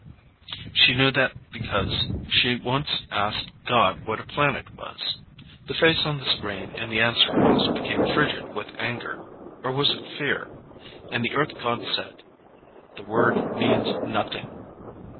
She knew that because she once asked god what a planet was. The face on the screen in the answer house became frigid with anger or was it fear? and the Earth god said: "The word means nothing."